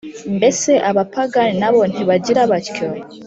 Mbese abapagani na bo ntibagira batyo?